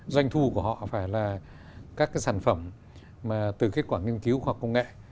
doanh thu của họ phải là các sản phẩm từ kết quả nghiên cứu hoặc công nghệ